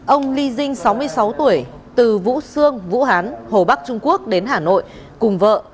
ông li jing sáu mươi sáu tuổi từ vũ sương vũ hán hồ bắc trung quốc đến hà nội cùng vợ